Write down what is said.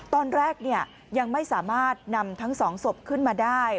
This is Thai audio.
ตอนแรกยังไม่สามารถนำทั้งสองศพขึ้นมาได้